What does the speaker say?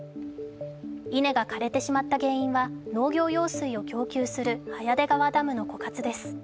稲が枯れてしまった原因は農業用水を供給する早出川ダムの枯渇です。